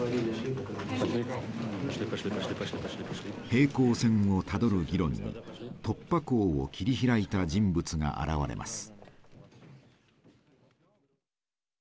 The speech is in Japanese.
平行線をたどる議論に突破口を切り開いた人物が現れます。